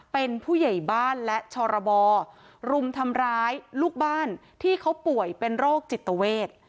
เป็นผู้ใหญ่บ้านและชรบรุมทำร้ายลูกบ้านที่เขาป่วยเป็นโรคจิตเวท